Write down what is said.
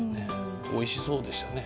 おいしそうでしたね。